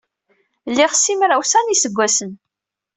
Liɣ simraw-sa n yiseggasen.